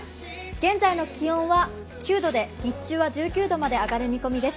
現在の気温は９度で日中は１９度まで上がる見込みです。